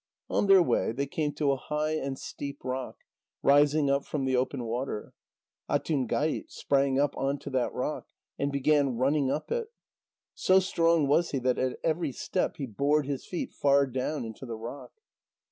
On their way they came to a high and steep rock, rising up from the open water. Atungait sprang up on to that rock, and began running up it. So strong was he that at every step he bored his feet far down into the rock.